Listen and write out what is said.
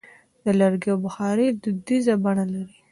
د لرګیو بخاري دودیزه بڼه لري.